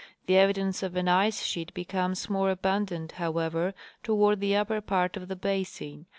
The evidence of an ice sheet becomes more abundant, however, toward the upper part of the basin.